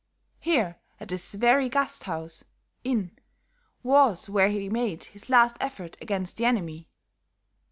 "Here, at this very Gasthaus (inn) was where he made his last effort against the enemy.